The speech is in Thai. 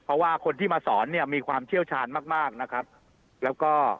เพราะว่าคนที่มาสอนเนี่ยมีความเชี่ยวชาญมากมากนะครับแล้วก็